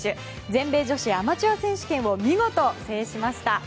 全米女子アマチュア選手権を見事、制しました。